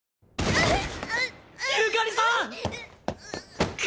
うっ。